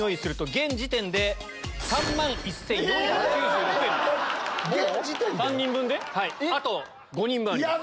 現時点で⁉あと５人分あります。